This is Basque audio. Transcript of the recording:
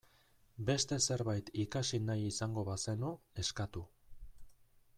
Beste zerbait ikasi nahi izango bazenu, eskatu.